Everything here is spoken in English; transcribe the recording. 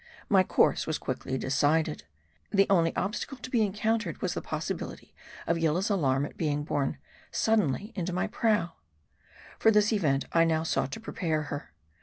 My course was quickly decided. The only obstacle to be encountered was the possibility of Yillah's alarm at being suddenly borne into my prow. For this event I now sought to prepare her.